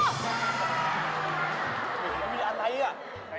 มีอะไรอะ